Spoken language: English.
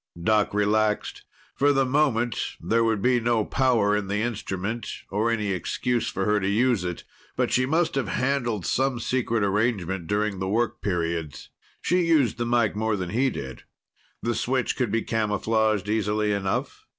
Doc relaxed. For the moment, there would be no power in the instrument, nor any excuse for her to use it. But she must have handled some secret arrangement during the work periods. She used the mike more than he did. The switch could be camouflaged easily enough.